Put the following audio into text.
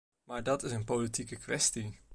Maar dat is een politieke kwestie.